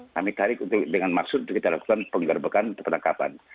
kami tarik dengan maksud kita lakukan penggerbakan penangkapan